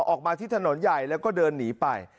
ออกมาที่ถนนใหญ่แล้วก็เดินหนีไป